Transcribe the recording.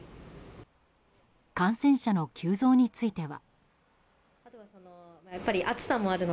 感染者の急増については。